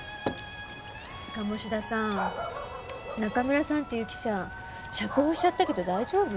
鴨志田さん中村さんっていう記者釈放しちゃったけど大丈夫？